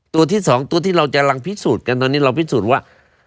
ตัวที่สองตัวที่เราจะรังพิสูจน์กันตอนนี้เราพิสูจน์ว่า